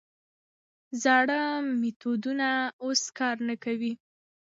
زاړه میتودونه اوس کار نه ورکوي.